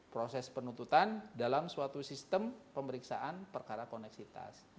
proses penuntutan dalam suatu sistem pemeriksaan perkara koneksitas